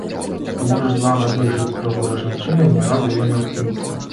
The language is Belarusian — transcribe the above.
Ты можаш два гады жыць з прыгожай жанчынай і ні разу ёй не натхніцца.